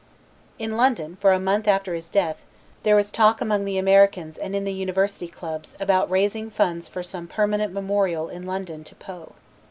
In London for a month after his death there was talk among Americans and in the university clubs about raising funds for some permanent memorial in London to Poe.